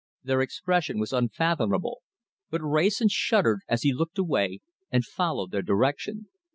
Their expression was unfathomable, but Wrayson shuddered as he looked away and followed their direction.